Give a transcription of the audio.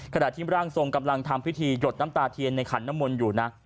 ขณะที่ร่างทรงกำลังทำพิธีหยดน้ำตาเทียนในขันน้ำมนต์อยู่นะ